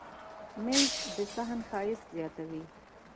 مېز د صحن ښایست زیاتوي.